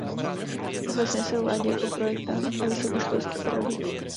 Profesně se uvádí jako projektant a vysokoškolský pedagog.